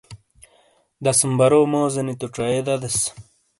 دَسمبرو موزینی تو چَئیے دَدیس۔